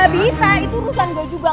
bisa itu urusan gue juga